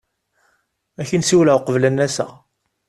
Ad ak-in-ssiwleɣ uqbel ad n-aseɣ.